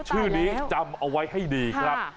ชื่อนี้จำเอาไว้ให้ดีครับ